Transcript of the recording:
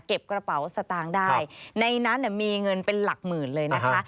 กระเป๋าสตางค์ได้ในนั้นมีเงินเป็นหลักหมื่นเลยนะคะ